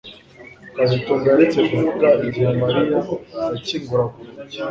kazitunga yaretse kuvuga igihe Mariya yakingura urugi